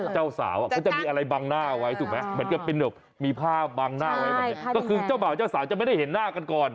เจ้าบ่าวเสี่ยงเจ้าสายไม่ได้เห็นหน้ากันก่อน